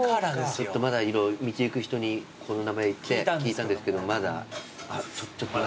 ちょっとまだ道行く人にここの名前聞いたんですけどまだちょっと。